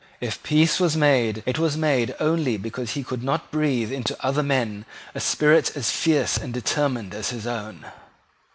If peace was made, it was made only because he could not breathe into other men a spirit as fierce and determined as his own.